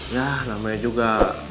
yah namanya juga